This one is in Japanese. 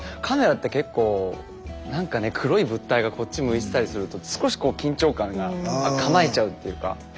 カメラって結構なんかね黒い物体がこっち向いてたりすると少しこう緊張感が構えちゃうっていうか。